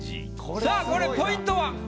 さあこれポイントは？